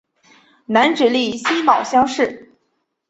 南直隶辛卯乡试。